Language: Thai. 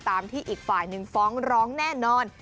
ตามที่อีกฝ่ายหนึ่งฟ้องร้องแน่นอน